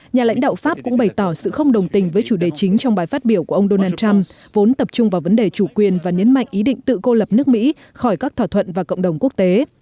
nhà lãnh đạo pháp cũng bày tỏ sự không đồng tình với chủ đề chính trong bài phát biểu của ông donald trump vốn tập trung vào vấn đề chủ quyền và nhấn mạnh ý định tự cô lập nước mỹ khỏi các thỏa thuận và cộng đồng quốc tế